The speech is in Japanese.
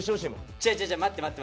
違う違う待って待って。